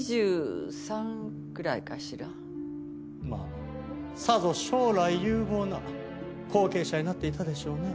まあさぞ将来有望な後継者になっていたでしょうね。